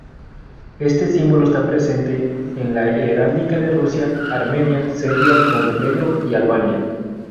Este símbolo está presente en la heráldica de Rusia, Armenia, Serbia, Montenegro y Albania.